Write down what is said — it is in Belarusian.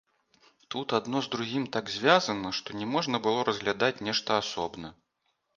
Тут адно з другім так звязана, што не можна было разглядаць нешта асобна.